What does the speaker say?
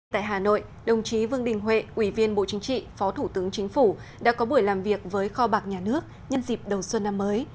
tại hà nội đồng chí vương đình huệ ủy viên bộ chính trị phó thủ tướng chính phủ đã có buổi làm việc với kho bạc nhà nước nhân dịp đầu xuân năm mới